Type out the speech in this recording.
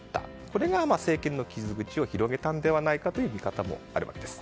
これが政権の傷口を広げたのではないかという見方もあるわけです。